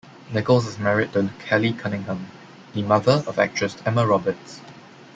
Nickels is married to Kelly Cunningham, the mother of actress Emma Roberts.